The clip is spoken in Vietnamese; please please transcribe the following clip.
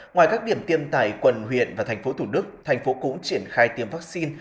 ngoài các điểm tiêm tại quần huyện và tp hcm tp hcm cũng triển khai tiêm vaccine